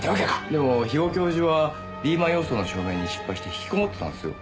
でも肥後教授はリーマン予想の証明に失敗して引きこもってたんですよ。